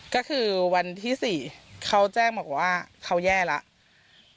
ก็คือวันที่๔เขาแจ้งบอกว่าเขาแย่แล้ว